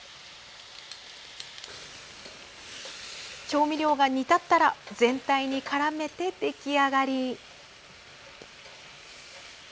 調味料が煮立ったら全体にからめて出来上がり！